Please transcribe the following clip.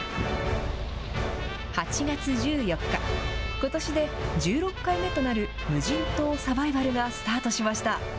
８月１４日、ことしで１６回目となる無人島サバイバルがスタートしました。